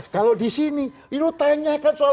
kalau di sini lu tanyakan soal butuh padaku